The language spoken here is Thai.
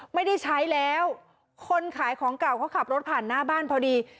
ไม่ได้ใช้แล้วคนขายของเก่าเขาขับรถผ่านหน้าบ้านพอดี